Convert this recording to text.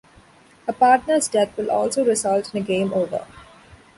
A partner's death will also result in a game over.